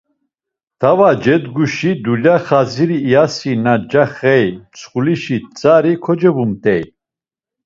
T̆ava cedguşi dulya xaziri iyasi na ncaxey mtsxulişi tzari kocebumt̆ey.